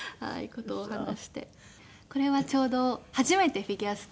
これはちょうど初めてフィギュアスケートの。